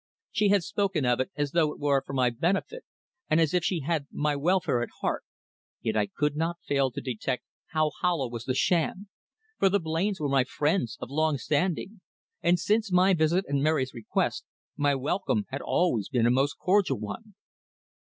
She had spoken of it as though it were for my benefit, and as if she had my welfare at heart, yet I could not fail to detect how hollow was the sham, for the Blains were my friends of long standing, and since my visit at Mary's request my welcome had always been a most cordial one.